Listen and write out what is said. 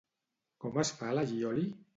Com es fa l'allioli?